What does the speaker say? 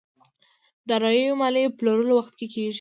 داراییو ماليې پلورلو وخت کې کېږي.